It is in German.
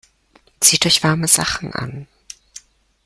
Zieht euch warme Sachen an!